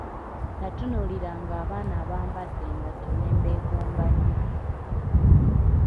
Natunuuliranga abaana abambadde engatto ne mbegomba nnyo.